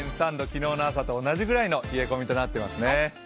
昨日の朝と同じぐらいの冷え込みとなっていますね。